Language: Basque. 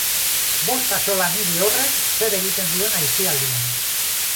Bost axola niri horrek zer egiten duen aisialdian!